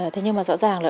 thế nhưng mà rõ ràng là